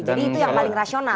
jadi itu yang paling rasional